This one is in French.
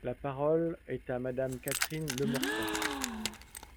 La parole est à Madame Catherine Lemorton.